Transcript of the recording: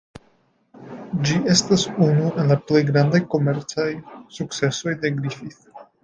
Ĝi estis unu el la plej grandaj komercaj sukcesoj de Griffith.